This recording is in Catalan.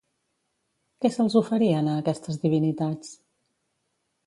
Què se'ls oferien a aquestes divinitats?